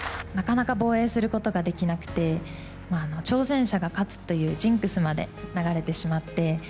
なかなか防衛することができなくて挑戦者が勝つというジンクスまで流れてしまって。